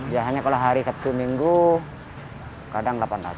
biasanya kalau hari sabtu minggu kadang delapan ratus